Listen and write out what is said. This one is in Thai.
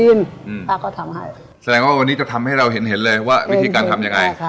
ป้าก็ทำให้แสดงว่าวันนี้จะทำให้เราเห็นเห็นเลยว่าวิธีการทำยังไง